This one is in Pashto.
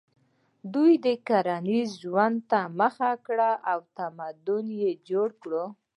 دوی کرنیز ژوند ته مخه کړه او تمدن یې جوړ کړ.